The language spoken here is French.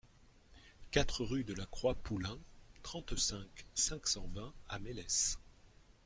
quatre rue de La Croix Poulin, trente-cinq, cinq cent vingt à Melesse